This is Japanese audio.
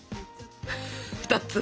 ２つ？